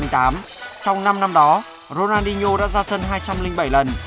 trong năm năm đó rorandino đã ra sân hai trăm linh bảy lần